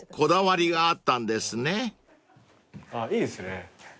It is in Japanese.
あっいいですね。